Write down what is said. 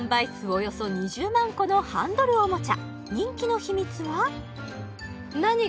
およそ２０万個のハンドルおもちゃ人気の秘密は？